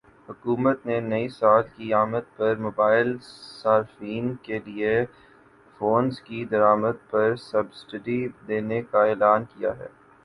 حکومت نے نئی سال کی آمد پر موبائل صارفین کے لیے فونز کی درآمد پرسبسڈی دینے کا اعلان کیا ہے